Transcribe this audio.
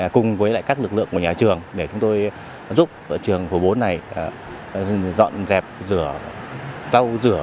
cùng với các lực lượng của nhà trường để chúng tôi giúp trường của bốn này dọn dẹp rửa rau rửa